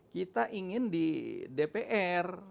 kita ingin di dpr